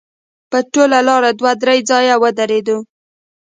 په ټوله لاره دوه درې ځایه ودرېدو.